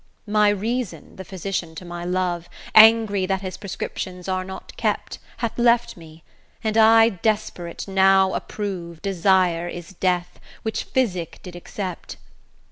My reason, the physician to my love, Angry that his prescriptions are not kept, Hath left me, and I desperate now approve Desire is death, which physic did except.